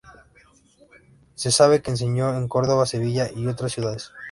Se sabe que enseñó en Córdoba, Sevilla y otras ciudades.